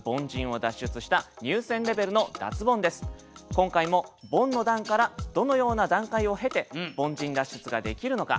今回もボンの段からどのような段階を経て凡人脱出ができるのか。